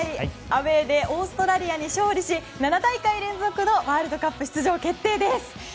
アウェーでオーストラリアに勝利し７大会連続のワールドカップ出場決定です。